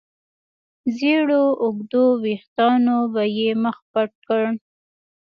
زېړو اوږدو وېښتانو به يې مخ پټ کړ.